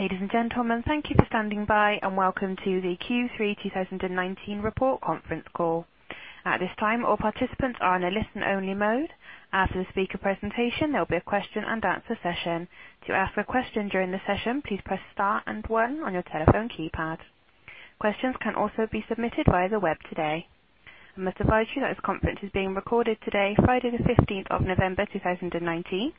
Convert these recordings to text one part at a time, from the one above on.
Ladies and gentlemen, thank you for standing by, and welcome to the Q3 2019 report conference call. At this time, all participants are in a listen-only mode. After the speaker presentation, there'll be a question and answer session. To ask a question during the session, please press Star and One on your telephone keypad. Questions can also be submitted via the web today. I must advise you that this conference is being recorded today, Friday the 15th of November, 2019.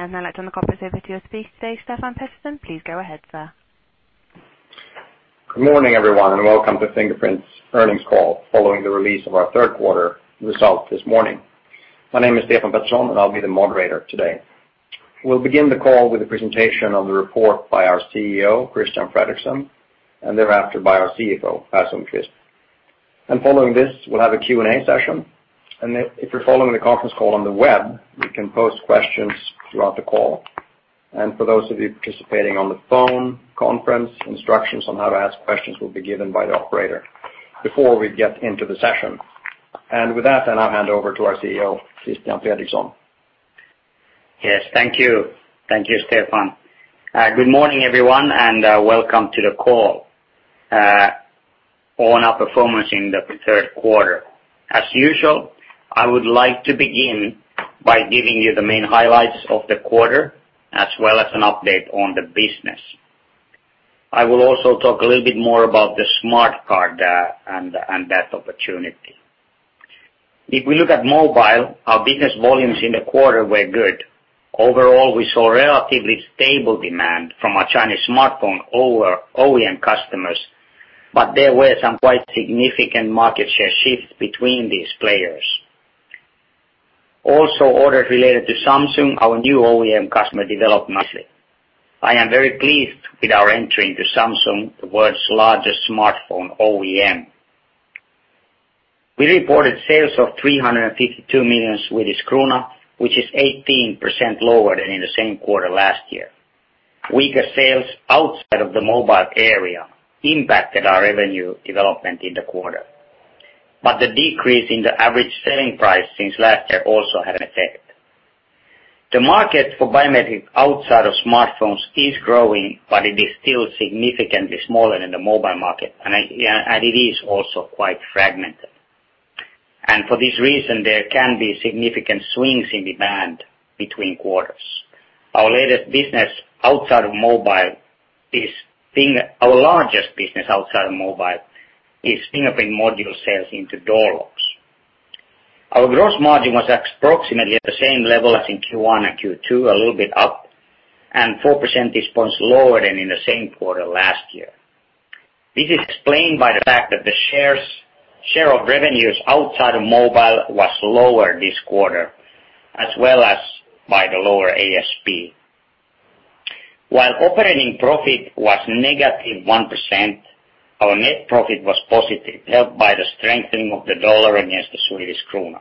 I'd now like to turn the conference over to your speaker today, Stefan Pettersson. Please go ahead, sir. Good morning, everyone, welcome to Fingerprint Cards' earnings call following the release of our third quarter results this morning. My name is Stefan Pettersson, I'll be the moderator today. We'll begin the call with a presentation of the report by our CEO, Christian Fredrikson, thereafter by our CFO, Rasmus Krist. Following this, we'll have a Q&A session, if you're following the conference call on the web, you can post questions throughout the call. For those of you participating on the phone conference, instructions on how to ask questions will be given by the operator before we get into the session. With that, I'll now hand over to our CEO, Christian Fredrikson. Yes. Thank you. Thank you, Stefan. Good morning, everyone, and welcome to the call on our performance in the third quarter. As usual, I would like to begin by giving you the main highlights of the quarter, as well as an update on the business. I will also talk a little bit more about the smart card and that opportunity. If we look at mobile, our business volumes in the quarter were good. Overall, we saw relatively stable demand from our Chinese smartphone OEM customers, but there were some quite significant market share shifts between these players. Orders related to Samsung, our new OEM customer, developed nicely. I am very pleased with our entry into Samsung, the world's largest smartphone OEM. We reported sales of 352 million Swedish krona, which is 18% lower than in the same quarter last year. Weaker sales outside of the mobile area impacted our revenue development in the quarter. The decrease in the average selling price since last year also had an effect. The market for biometrics outside of smartphones is growing, but it is still significantly smaller than the mobile market, and it is also quite fragmented. For this reason, there can be significant swings in demand between quarters. Our largest business outside of mobile is fingerprint module sales into door locks. Our gross margin was approximately at the same level as in Q1 and Q2, a little bit up, and 4% lower than in the same quarter last year. This is explained by the fact that the share of revenues outside of mobile was lower this quarter, as well as by the lower ASP. While operating profit was -1%, our net profit was positive, helped by the strengthening of the dollar against the Swedish krona.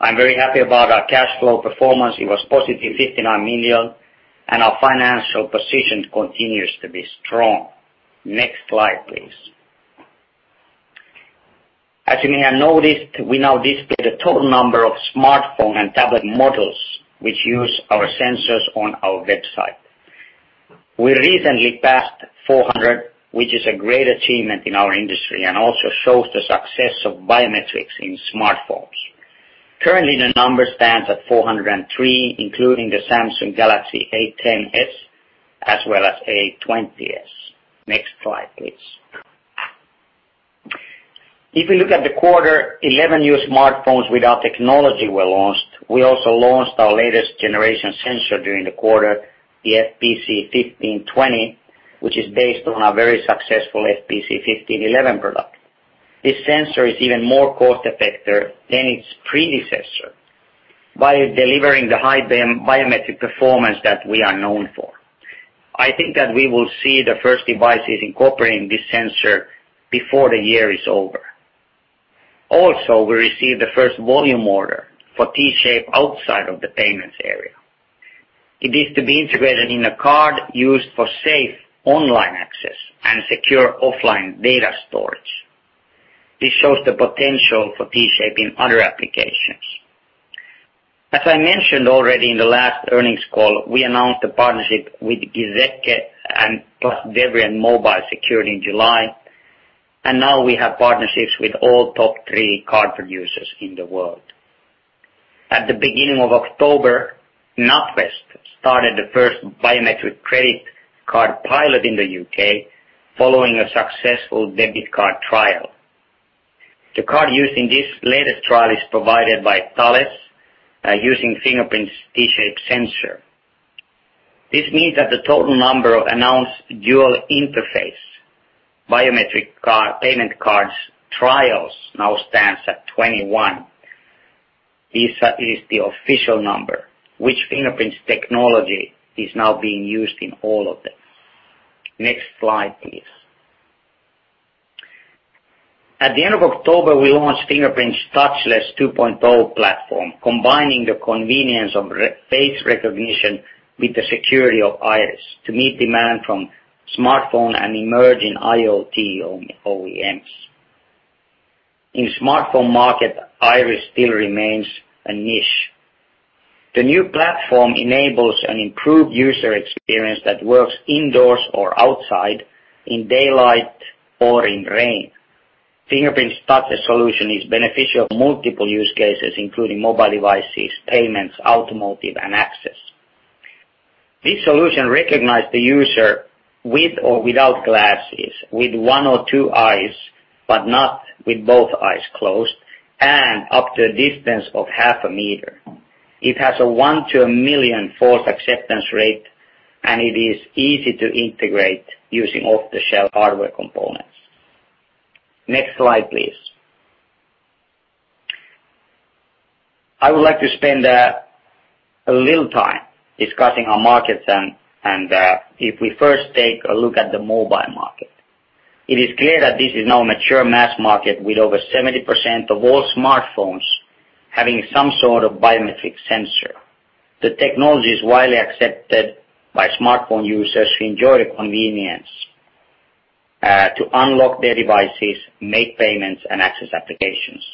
I'm very happy about our cash flow performance. It was 59 million, and our financial position continues to be strong. Next slide, please. As you may have noticed, we now display the total number of smartphone and tablet models which use our sensors on our website. We recently passed 400, which is a great achievement in our industry and also shows the success of biometrics in smartphones. Currently, the number stands at 403, including the Samsung Galaxy A10s as well as A20s. Next slide, please. If we look at the quarter, 11 new smartphones with our technology were launched. We also launched our latest generation sensor during the quarter, the FPC1520, which is based on our very successful FPC1511 product. This sensor is even more cost-effective than its predecessor while delivering the high biometric performance that we are known for. I think that we will see the first devices incorporating this sensor before the year is over. Also, we received the first volume order for T-Shape outside of the payments area. It is to be integrated in a card used for safe online access and secure offline data storage. This shows the potential for T-Shape in other applications. As I mentioned already in the last earnings call, we announced a partnership with Giesecke+Devrient Mobile Security in July, and now we have partnerships with all top three card producers in the world. At the beginning of October, NatWest started the first biometric credit card pilot in the U.K. following a successful debit card trial. The card used in this latest trial is provided by Thales using Fingerprint Cards' T-Shape sensor. This means that the total number of announced dual-interface biometric payment cards trials now stands at 21. This is the official number, which Fingerprint Cards' technology is now being used in all of them. Next slide, please. At the end of October, we launched Fingerprint Cards' Touchless 2.0 platform, combining the convenience of face recognition with the security of iris to meet demand from smartphone and emerging IoT OEMs. In smartphone market, iris still remains a niche. The new platform enables an improved user experience that works indoors or outside, in daylight or in rain. Fingerprint Cards' solution is beneficial for multiple use cases, including mobile devices, payments, automotive, and access. This solution recognize the user with or without glasses, with one or two eyes, but not with both eyes closed, and up to a distance of half a meter. It has a one to a million false acceptance rate, it is easy to integrate using off-the-shelf hardware components. Next slide, please. I would like to spend a little time discussing our markets. If we first take a look at the mobile market, it is clear that this is now a mature mass market with over 70% of all smartphones having some sort of biometric sensor. The technology is widely accepted by smartphone users who enjoy the convenience, to unlock their devices, make payments, and access applications.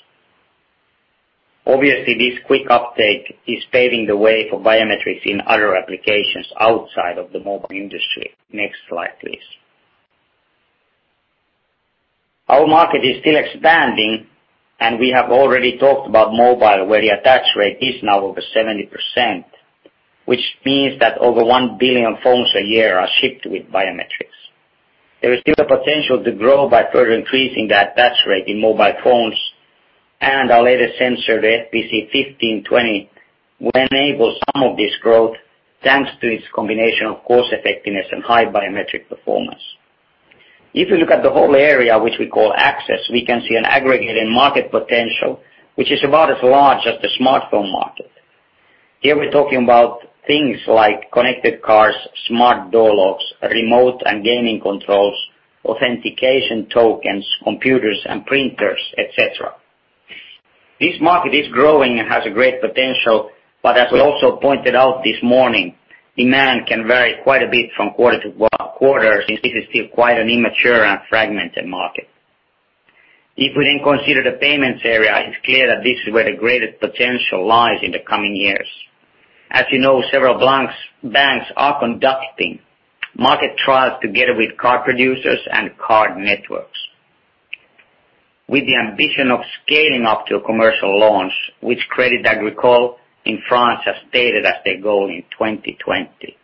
Obviously, this quick uptake is paving the way for biometrics in other applications outside of the mobile industry. Next slide, please. Our market is still expanding, and we have already talked about mobile, where the attach rate is now over 70%, which means that over 1 billion phones a year are shipped with biometrics. There is still a potential to grow by further increasing the attach rate in mobile phones. Our latest sensor, the FPC1520, will enable some of this growth, thanks to its combination of cost-effectiveness and high biometric performance. If you look at the whole area, which we call access, we can see an aggregated market potential, which is about as large as the smartphone market. Here we're talking about things like connected cars, smart door locks, remote and gaming controls, authentication tokens, computers and printers, et cetera. This market is growing and has a great potential, but as we also pointed out this morning, demand can vary quite a bit from quarter to quarter, since this is still quite an immature and fragmented market. If we consider the payments area, it is clear that this is where the greatest potential lies in the coming years. As you know, several banks are conducting market trials together with card producers and card networks, with the ambition of scaling up to a commercial launch, which Crédit Agricole in France has stated as their goal in 2020.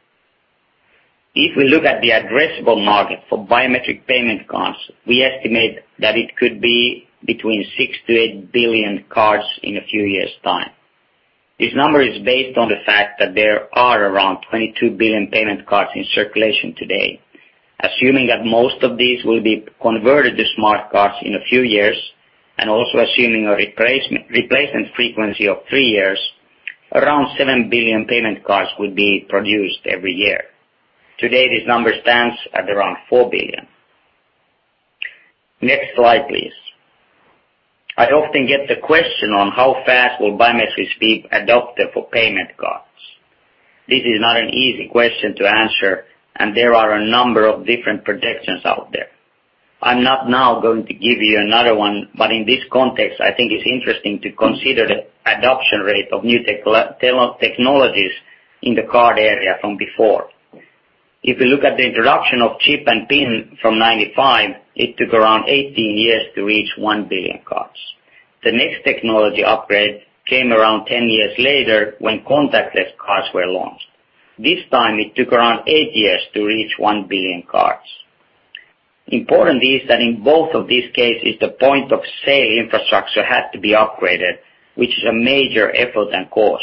If we look at the addressable market for biometric payment cards, we estimate that it could be between 6 billion-8 billion cards in a few years' time. This number is based on the fact that there are around 22 billion payment cards in circulation today. Assuming that most of these will be converted to smart cards in a few years, also assuming a replacement frequency of three years, around 7 billion payment cards will be produced every year. Today, this number stands at around 4 billion. Next slide, please. I often get the question on how fast will biometrics be adopted for payment cards. This is not an easy question to answer, there are a number of different projections out there. I'm not now going to give you another one, in this context, I think it's interesting to consider the adoption rate of new technologies in the card area from before. If you look at the introduction of chip and PIN from 1995, it took around 18 years to reach 1 billion cards. The next technology upgrade came around 10 years later when contactless cards were launched. This time it took around eight years to reach 1 billion cards. Important is that in both of these cases, the point-of-sale infrastructure had to be upgraded, which is a major effort and cost.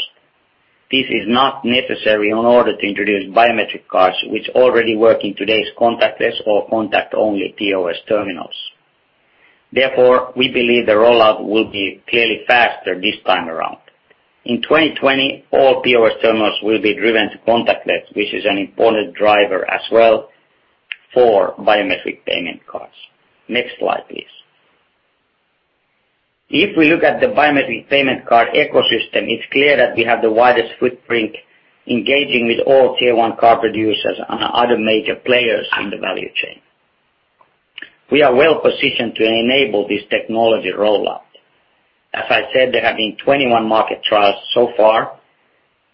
This is not necessary in order to introduce biometric cards, which already work in today's contactless or contact-only POS terminals. We believe the rollout will be clearly faster this time around. In 2020, all POS terminals will be driven to contactless, which is an important driver as well for biometric payment cards. Next slide, please. If we look at the biometric payment card ecosystem, it's clear that we have the widest footprint engaging with all tier 1 card producers and other major players in the value chain. We are well-positioned to enable this technology rollout. As I said, there have been 21 market trials so far,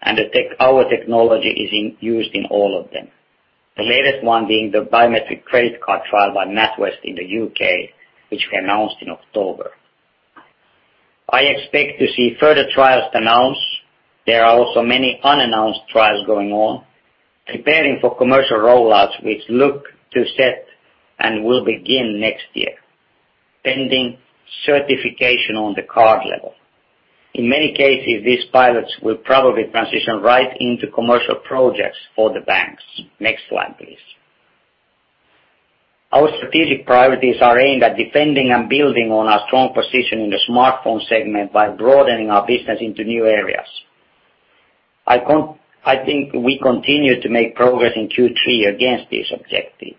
and our technology is used in all of them. The latest one being the biometric credit card trial by NatWest in the U.K., which we announced in October. I expect to see further trials announced. There are also many unannounced trials going on, preparing for commercial rollouts, which look to set and will begin next year, pending certification on the card level. In many cases, these pilots will probably transition right into commercial projects for the banks. Next slide, please. Our strategic priorities are aimed at defending and building on our strong position in the smartphone segment by broadening our business into new areas. I think we continue to make progress in Q3 against this objective.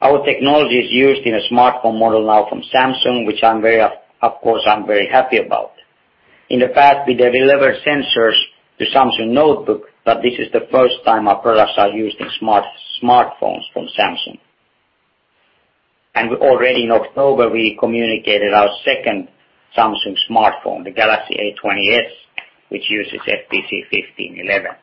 Our technology is used in a smartphone model now from Samsung, which, of course, I am very happy about. In the past, we delivered sensors to Samsung notebook, this is the first time our products are used in smartphones from Samsung. Already in October, we communicated our second Samsung smartphone, the Galaxy A20s, which uses FPC1511.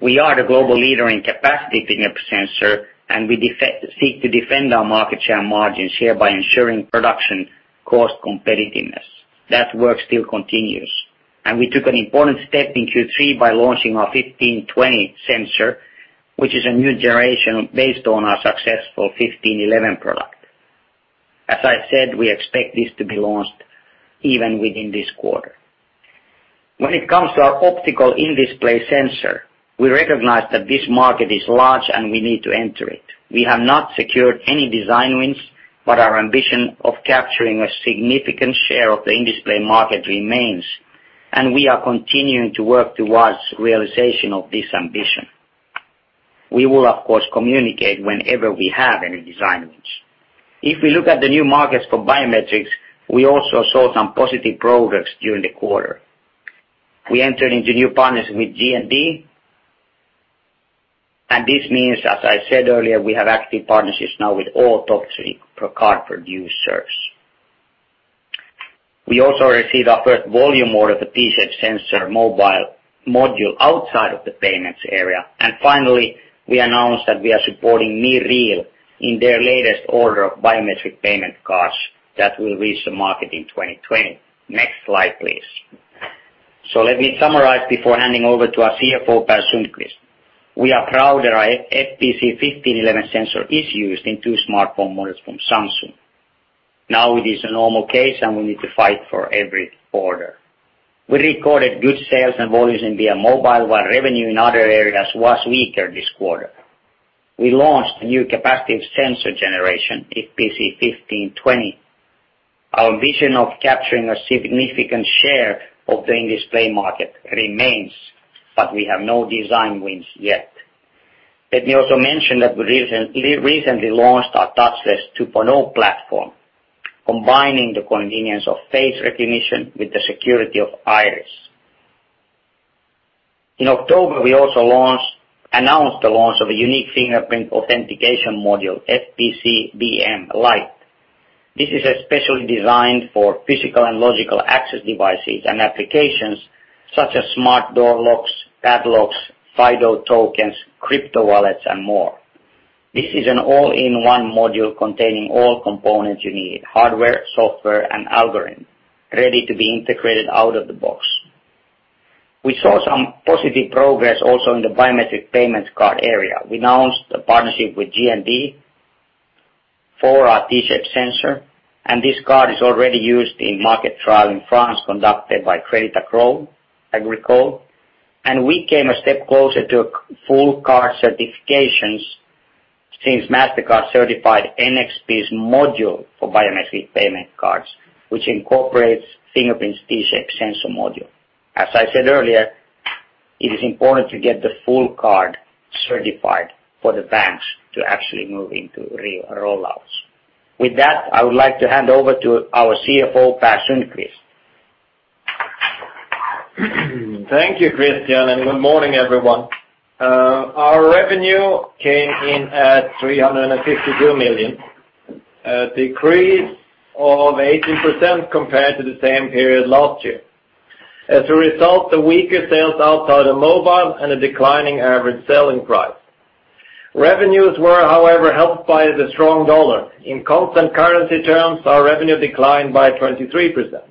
We are the global leader in capacitive fingerprint sensor, and we seek to defend our market share and margins here by ensuring production cost competitiveness. That work still continues. We took an important step in Q3 by launching our FPC1520 sensor, which is a new generation based on our successful FPC1511 product. As I said, we expect this to be launched even within this quarter. When it comes to our optical in-display sensor, we recognize that this market is large and we need to enter it. We have not secured any design wins, but our ambition of capturing a significant share of the in-display market remains, and we are continuing to work towards realization of this ambition. We will, of course, communicate whenever we have any design wins. If we look at the new markets for biometrics, we also saw some positive progress during the quarter. We entered into new partnership with G&D. This means, as I said earlier, we have active partnerships now with all top three card producers. We also received our first volume order for T-Shape sensor mobile module outside of the payments area. Finally, we announced that we are supporting MeReal in their latest order of biometric payment cards that will reach the market in 2020. Next slide, please. Let me summarize before handing over to our CFO, Per Sundqvist. We are proud that our FPC1511 sensor is used in two smartphone models from Samsung. Now it is a normal case, and we need to fight for every order. We recorded good sales and volumes in via mobile, while revenue in other areas was weaker this quarter. We launched a new capacitive sensor generation, FPC1520. Our vision of capturing a significant share of the in-display market remains, but we have no design wins yet. Let me also mention that we recently launched our Touchless 2.0 platform, combining the convenience of face recognition with the security of iris. In October, we also announced the launch of a unique fingerprint authentication module, FPC BM-Lite. This is especially designed for physical and logical access devices and applications such as smart door locks, padlocks, FIDO tokens, crypto wallets, and more. This is an all-in-one module containing all components you need: hardware, software, and algorithm, ready to be integrated out of the box. We saw some positive progress also in the biometric payment cards area. We announced a partnership with G+D for our T-Shape sensor, and this card is already used in market trial in France conducted by Crédit Agricole. We came a step closer to full card certifications since Mastercard certified NXP's module for biometric payment cards, which incorporates Fingerprints' T-Shape sensor module. As I said earlier, it is important to get the full card certified for the banks to actually move into real rollouts. With that, I would like to hand over to our CFO, Per Sundqvist. Thank you, Christian, and good morning, everyone. Our revenue came in at 352 million, a decrease of 18% compared to the same period last year. As a result, the weaker sales outside of mobile and a declining average selling price. Revenues were, however, helped by the strong U.S. dollar. In constant currency terms, our revenue declined by 23%.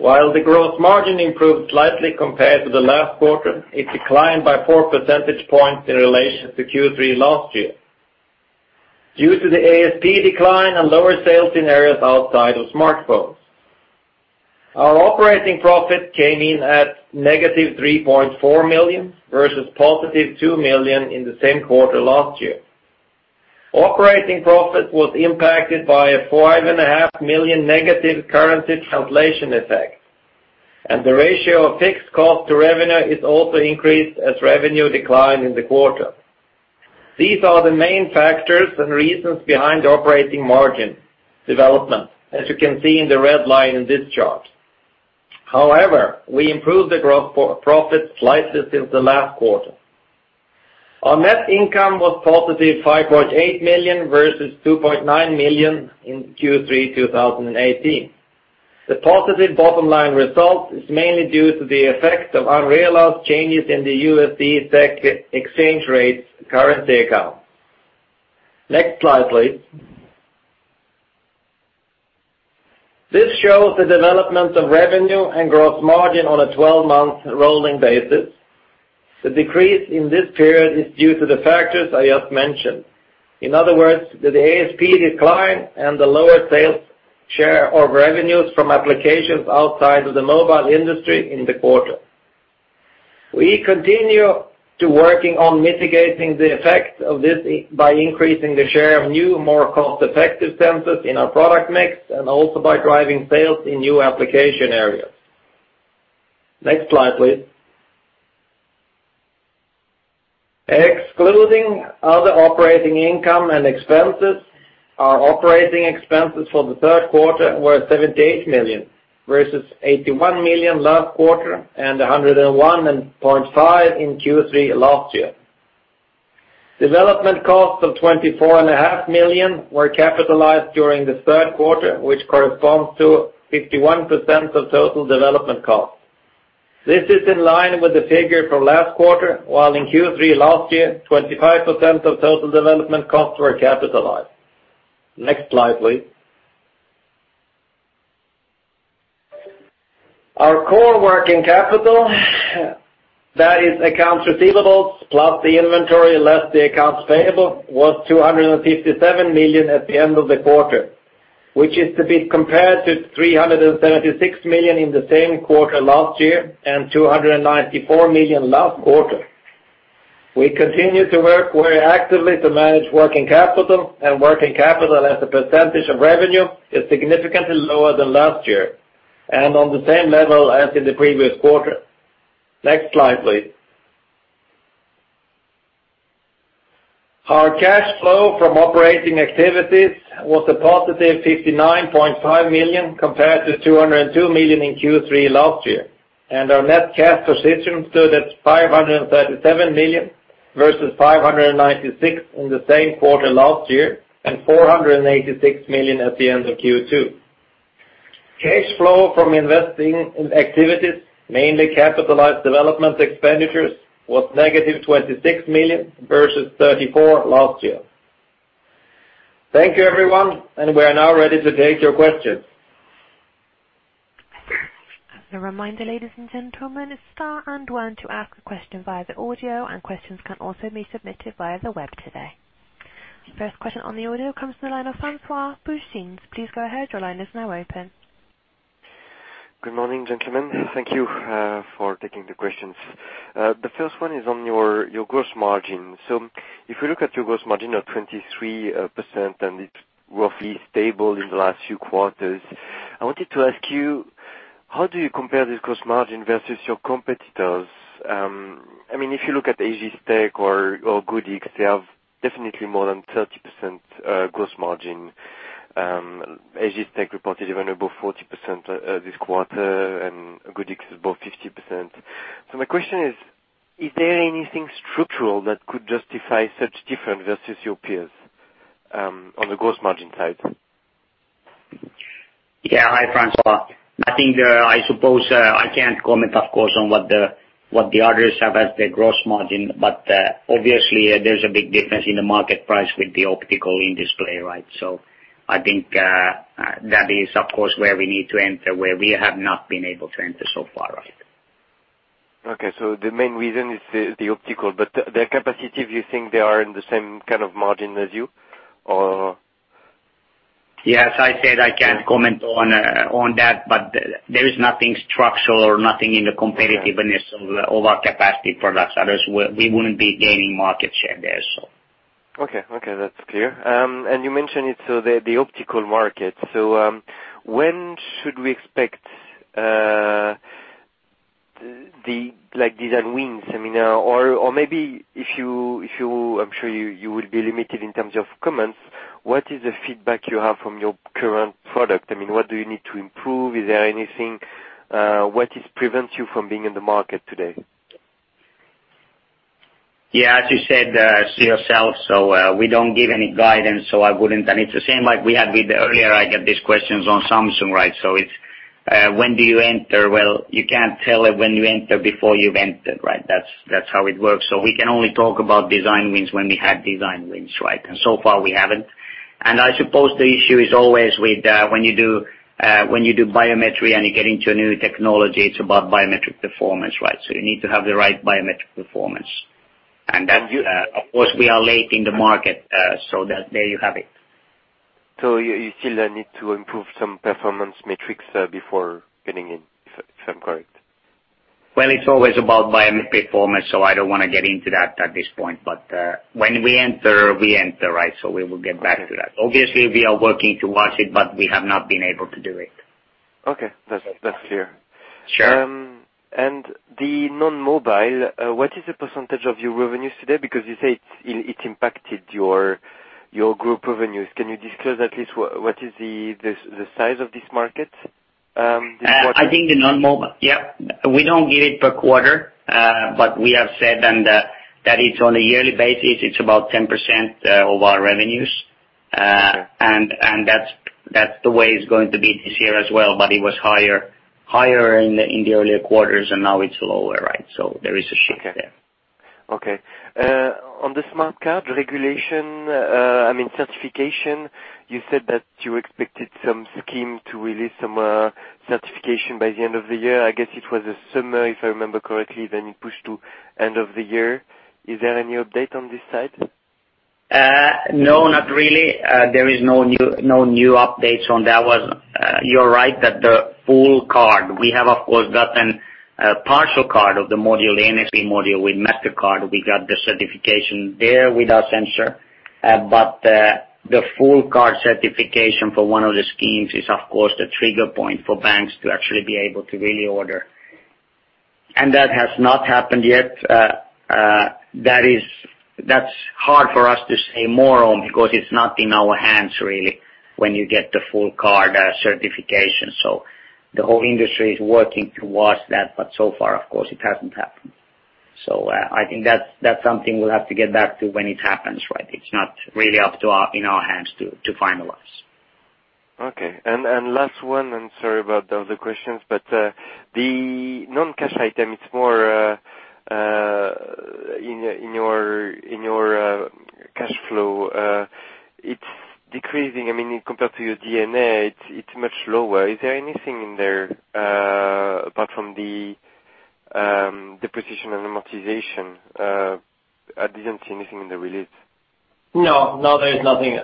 While the gross margin improved slightly compared to the last quarter, it declined by 4 percentage points in relation to Q3 last year due to the ASP decline and lower sales in areas outside of smartphones. Our operating profit came in at negative 3.4 million, versus positive 2 million in the same quarter last year. Operating profit was impacted by a 5.5 million negative currency translation effect, and the ratio of fixed cost to revenue is also increased as revenue declined in the quarter. These are the main factors and reasons behind operating margin development, as you can see in the red line in this chart. We improved the gross profit slightly since the last quarter. Our net income was positive 5.8 million, versus 2.9 million in Q3 2018. The positive bottom line result is mainly due to the effect of unrealized changes in the USD exchange rates currency account. Next slide, please. This shows the development of revenue and gross margin on a 12-month rolling basis. The decrease in this period is due to the factors I just mentioned. In other words, the ASP decline and the lower sales share of revenues from applications outside of the mobile industry in the quarter. We continue to working on mitigating the effect of this by increasing the share of new, more cost-effective sensors in our product mix and also by driving sales in new application areas. Next slide, please. Excluding other operating income and expenses, our operating expenses for the third quarter were $78 million, versus $81 million last quarter and $101.5 million in Q3 last year. Development costs of $24.5 million were capitalized during the third quarter, which corresponds to 51% of total development costs. This is in line with the figure from last quarter, while in Q3 last year, 25% of total development costs were capitalized. Next slide, please. Our core working capital, that is accounts receivables plus the inventory, less the accounts payable, was $257 million at the end of the quarter, which is to be compared to $376 million in the same quarter last year and $294 million last quarter. Working capital as a percentage of revenue is significantly lower than last year and on the same level as in the previous quarter. Next slide, please. Our cash flow from operating activities was a positive 59.5 million, compared to 202 million in Q3 last year, and our net cash position stood at 537 million versus 596 million in the same quarter last year, and 486 million at the end of Q2. Cash flow from investing in activities, mainly capitalized development expenditures, was negative 26 million, versus 34 million last year. Thank you, everyone, and we are now ready to take your questions. As a reminder, ladies and gentlemen, star and one to ask a question via the audio. Questions can also be submitted via the web today. First question on the audio comes from the line of François Bouvignies. Please go ahead. Your line is now open. Good morning, gentlemen. Thank you for taking the questions. The first one is on your gross margin. If we look at your gross margin of 23% and it's roughly stable in the last few quarters, I wanted to ask you, how do you compare this gross margin versus your competitors? If you look at Egis Technology or Goodix, they have definitely more than 30% gross margin. Egis Technology reported even above 40% this quarter, and Goodix above 50%. My question is. Is there anything structural that could justify such difference versus your peers, on the gross margin side? Yeah. Hi, Francois. I think, I suppose I can't comment, of course, on what the others have as their gross margin. Obviously, there's a big difference in the market price with the optical in-display. I think that is, of course, where we need to enter, where we have not been able to enter so far. Okay. The main reason is the optical. Their capacity, do you think they are in the same kind of margin as you, or? Yes, I said I can't comment on that. There is nothing structural or nothing in the competitiveness of our capacitive products, otherwise we wouldn't be gaining market share there. Okay. That's clear. You mentioned it, so the optical market. When should we expect design wins? Maybe if you, I'm sure you will be limited in terms of comments, what is the feedback you have from your current product? What do you need to improve? Is there anything, what is prevents you from being in the market today? Yeah, as you said yourself, we don't give any guidance, I wouldn't. It's the same like we had with earlier, I get these questions on Samsung. It's when do you enter? Well, you can't tell it when you enter before you've entered, right? That's how it works. We can only talk about design wins when we have design wins. So far we haven't. I suppose the issue is always with when you do biometry and you get into a new technology, it's about biometric performance. You need to have the right biometric performance. You- Of course, we are late in the market, so there you have it. You still need to improve some performance metrics before getting in, if I'm correct? Well, it's always about biometric performance. I don't want to get into that at this point. When we enter, we enter. We will get back to that. Obviously, we are working towards it. We have not been able to do it. Okay. That's clear. Sure. The non-mobile, what is the % of your revenues today? You say it impacted your group revenues. Can you disclose at least what is the size of this market this quarter? I think the non-mobile. Yep. We don't give it per quarter. We have said that it's on a yearly basis. It's about 10% of our revenues. Okay. That's the way it's going to be this year as well. It was higher in the earlier quarters and now it's lower. There is a shift there. Okay. On the smart card regulation, I mean certification, you said that you expected some scheme to release some certification by the end of the year. I guess it was the summer, if I remember correctly, then it pushed to end of the year. Is there any update on this side? No, not really. There is no new updates on that one. You're right that the full card, we have, of course, gotten a partial card of the module, the NXP module with Mastercard. We got the certification there with our sensor. The full card certification for one of the schemes is, of course, the trigger point for banks to actually be able to really order, and that has not happened yet. That's hard for us to say more on because it's not in our hands, really, when you get the full card certification. The whole industry is working towards that, but so far, of course, it hasn't happened. I think that's something we'll have to get back to when it happens. It's not really in our hands to finalize. Okay. Last one, sorry about the other questions, the non-cash item, it's more in your cash flow. It's decreasing compared to your D&A, it's much lower. Is there anything in there apart from the depreciation and amortization? I didn't see anything in the release. No, there is nothing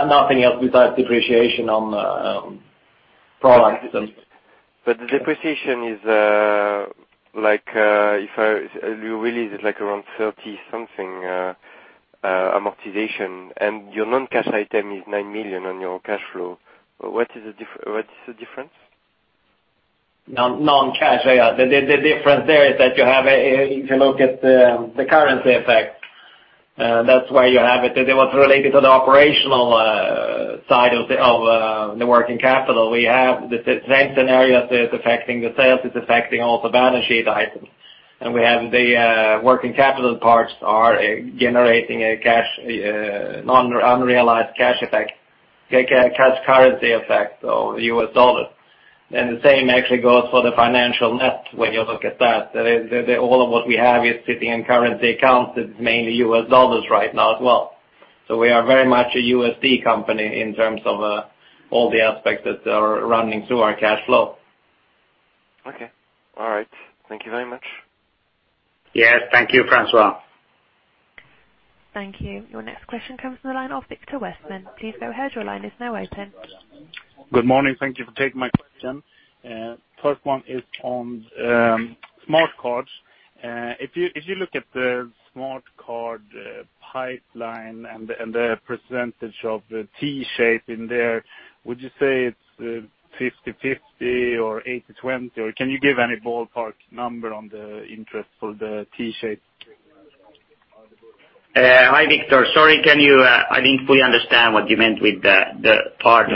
else besides depreciation on product. The depreciation is, if you release it around 30-something amortization, and your non-cash item is nine million on your cash flow. What is the difference? Non-cash. The difference there is that if you look at the currency effect, that's why you have it. It was related to the operational side of the working capital. We have the same scenario that is affecting the sales, it's affecting all the balance sheet items. We have the working capital parts are generating a non-unrealized cash effect, cash currency effect, so US dollar. The same actually goes for the financial net when you look at that. All of what we have is sitting in currency accounts, it's mainly US dollars right now as well. We are very much a USD company in terms of all the aspects that are running through our cash flow. Okay. All right. Thank you very much. Yes. Thank you, Francois. Thank you. Your next question comes from the line of Viktor Westman. Please go ahead, your line is now open. Good morning. Thank you for taking my question. First one is on smart cards. If you look at the smart card pipeline and the percentage of the T-Shape in there, would you say it's 50/50 or 80/20? Or can you give any ballpark number on the interest for the T-Shape? Hi, Viktor. Sorry, I didn't fully understand what you meant with the part.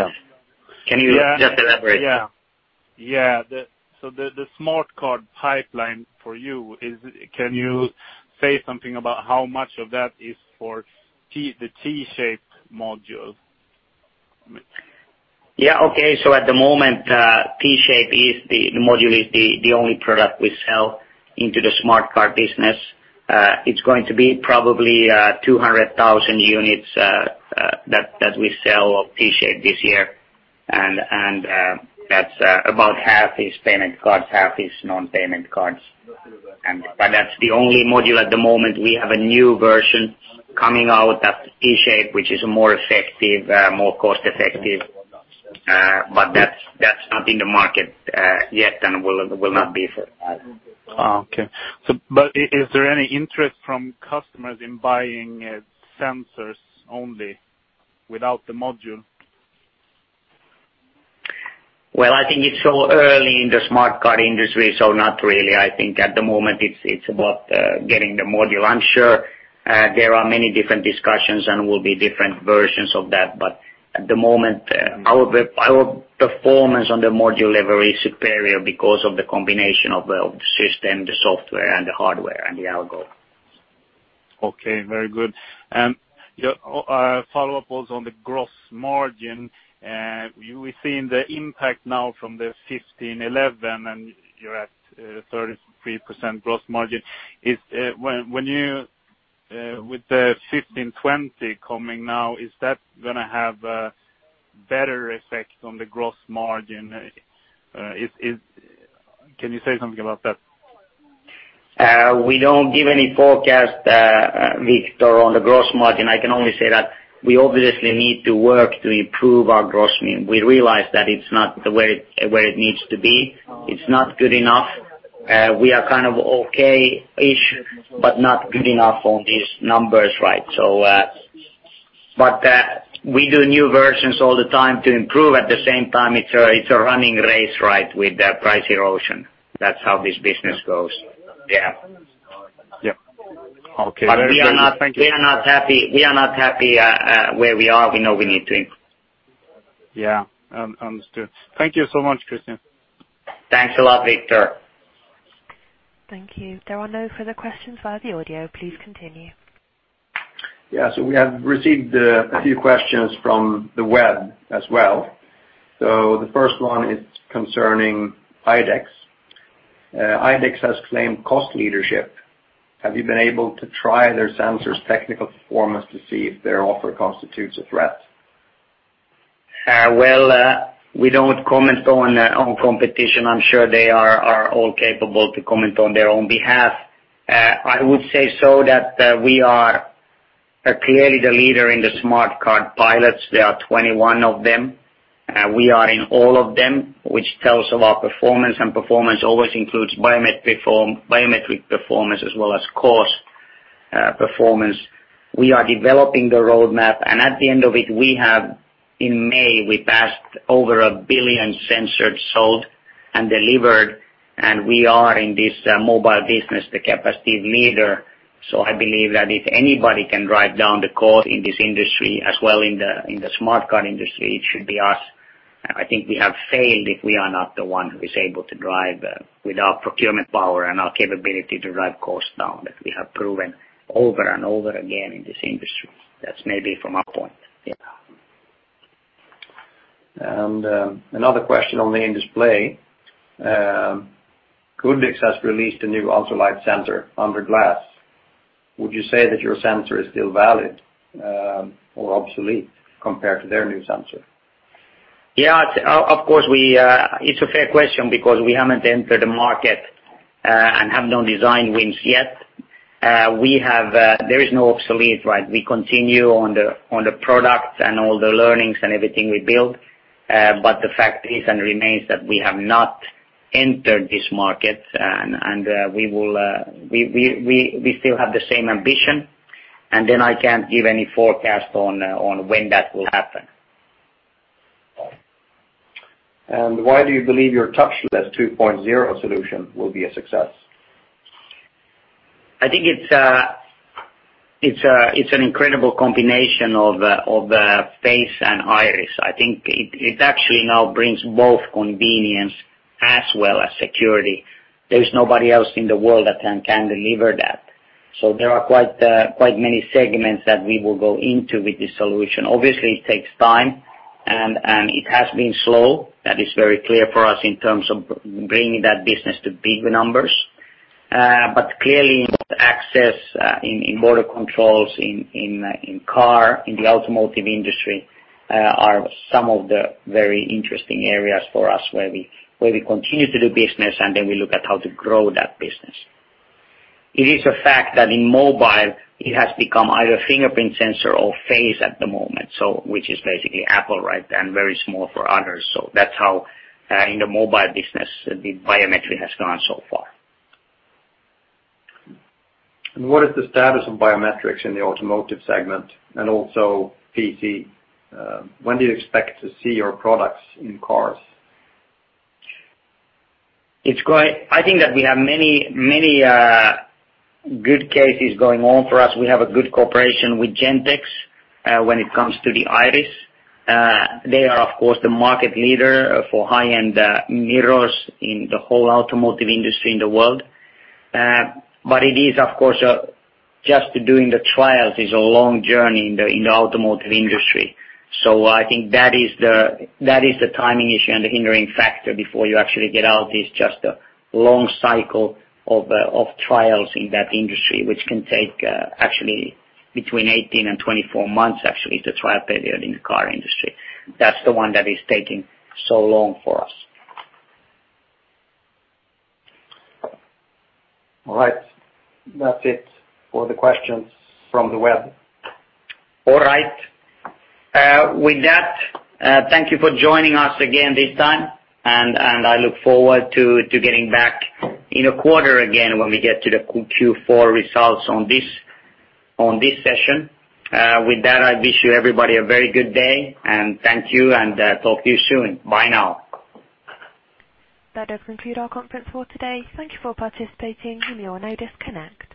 Yeah. Can you just elaborate? Yeah. The smart card pipeline for you, can you say something about how much of that is for the T-Shape module? Yeah. Okay. At the moment, T-Shape module is the only product we sell into the smart card business. It's going to be probably 200,000 units that we sell of T-Shape this year, and about half is payment cards, half is non-payment cards. That's the only module at the moment. We have a new version coming out, that's T-Shape, which is more cost effective. That's not in the market yet and will not be for a while. Okay. Is there any interest from customers in buying sensors only without the module? I think it's so early in the smart card industry, so not really. I think at the moment it's about getting the module. I'm sure there are many different discussions and will be different versions of that, but at the moment, our performance on the module level is superior because of the combination of the system, the software, and the hardware, and the algo. Okay. Very good. Follow-up was on the gross margin. We're seeing the impact now from the FPC1511, and you're at 33% gross margin. With the FPC1520 coming now, is that going to have a better effect on the gross margin? Can you say something about that? We don't give any forecast, Viktor, on the gross margin. I can only say that we obviously need to work to improve our gross margin. We realize that it's not the way where it needs to be. It's not good enough. We are okay-ish, but not good enough on these numbers. We do new versions all the time to improve. At the same time, it's a running race with price erosion. That's how this business goes. Yeah. Yeah. Okay. We are not happy where we are. We know we need to improve. Yeah. Understood. Thank you so much, Christian. Thanks a lot, Viktor. Thank you. There are no further questions via the audio. Please continue. Yeah. We have received a few questions from the web as well. The first one is concerning IDEX. IDEX has claimed cost leadership. Have you been able to try their sensors' technical performance to see if their offer constitutes a threat? Well, we don't comment on competition. I'm sure they are all capable to comment on their own behalf. I would say that we are clearly the leader in the smart card pilots. There are 21 of them. We are in all of them, which tells of our performance, and performance always includes biometric performance as well as cost performance. We are developing the roadmap, and at the end of it, we have in May, we passed over 1 billion sensors sold and delivered, and we are in this mobile business, the capacitive leader. I believe that if anybody can drive down the cost in this industry as well in the smart card industry, it should be us. I think we have failed if we are not the one who is able to drive with our procurement power and our capability to drive costs down, as we have proven over and over again in this industry. That's maybe from our point, yeah. Another question on the in-display. Goodix has released a new ultra-thin sensor under glass. Would you say that your sensor is still valid or obsolete compared to their new sensor? Yeah, of course. It's a fair question because we haven't entered the market, and have no design wins yet. There is no obsolete, right? We continue on the products and all the learnings and everything we build. The fact is and remains that we have not entered this market, and we still have the same ambition, and then I can't give any forecast on when that will happen. Why do you believe your Touchless 2.0 solution will be a success? I think it's an incredible combination of face and iris. I think it actually now brings both convenience as well as security. There's nobody else in the world that can deliver that. There are quite many segments that we will go into with this solution. Obviously, it takes time, and it has been slow. That is very clear for us in terms of bringing that business to big numbers. Clearly in access, in motor controls, in car, in the automotive industry, are some of the very interesting areas for us where we continue to do business, and then we look at how to grow that business. It is a fact that in mobile, it has become either fingerprint sensor or face at the moment. Which is basically Apple, right, and very small for others. That's how in the mobile business, the biometry has gone so far. What is the status of biometrics in the automotive segment, and also PC? When do you expect to see your products in cars? I think that we have many good cases going on for us. We have a good cooperation with Gentex, when it comes to the iris. They are, of course, the market leader for high-end mirrors in the whole automotive industry in the world. It is, of course, just doing the trials is a long journey in the automotive industry. I think that is the timing issue and the hindering factor before you actually get out. It's just a long cycle of trials in that industry, which can take actually between 18 and 24 months actually, the trial period in the car industry. That's the one that is taking so long for us. All right. That's it for the questions from the web. All right. Thank you for joining us again this time, and I look forward to getting back in a quarter again when we get to the Q4 results on this session. I wish you everybody a very good day, and thank you, and talk to you soon. Bye now. That does conclude our conference for today. Thank you for participating in your Nadia Connect.